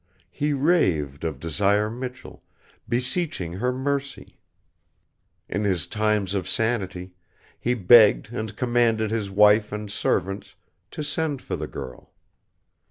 He raved of Desire Michell, beseeching her mercy. In his times of sanity, he begged and commanded his wife and servants to send for the girl.